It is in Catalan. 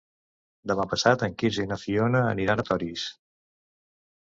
Demà passat en Quirze i na Fiona aniran a Torís.